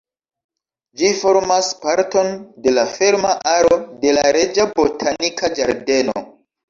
Ĝi formas parton de la ferma aro de la Reĝa Botanika Ĝardeno.